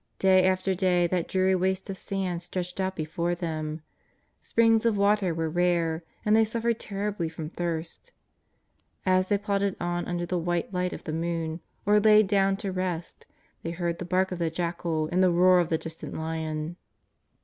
Day after day that dreary waste of sand stretched out before them. Springs of water were rare, and they suffered terribly from thirst. As they plodded on under the white light of the moon, or lay down to rest, they heard the bark of the jackal and the roar of the distant lion.